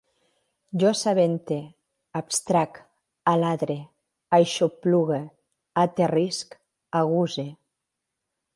Jo assabente, abstrac, aladre, aixoplugue, aterrisc, aguse